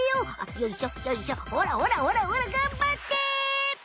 よいしょよいしょほらほらほらほらがんばって！